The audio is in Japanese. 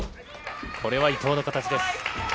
これは伊藤の形です。